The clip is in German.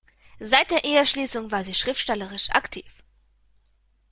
Seit der Eheschließung war sie schriftstellerisch aktiv.